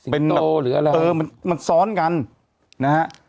สิงโตหรืออะไรนะครับเออมันซ้อนกันนะฮะ